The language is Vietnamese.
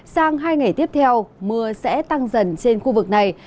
sang hai ngày tiếp theo mưa sẽ tăng dần trên khu vực này